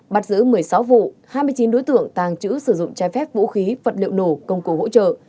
bắt giữ một mươi sáu vụ hai mươi chín đối tượng tàng trữ sử dụng trái phép vũ khí vật liệu nổ công cụ hỗ trợ